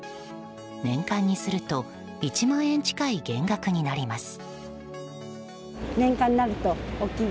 年間にすると１万円近い減額になります。